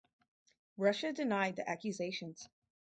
Russia denied the accusations.